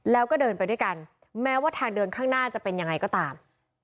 แล้วก็เดินไปด้วยกันแม้ว่าทางเดินข้างหน้าจะเป็นยังไงก็ตาม